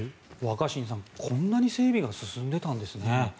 若新さんこんなに整備が進んでたんですね。